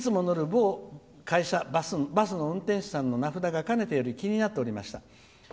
いつも乗る某会社のバスの運転手さんの名前がかねてより気になっていました。